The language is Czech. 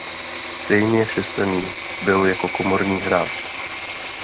Stejně všestranný byl jako komorní hráč.